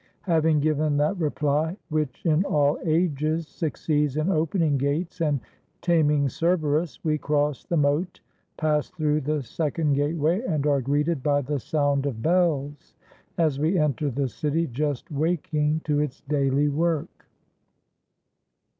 Having given that reply which in all ages succeeds in opening g&,tes and taming Cerberus, we cross the moat, pass through the second gateway, and are greeted by the sound of bells as we enter the city just waking to its daily work.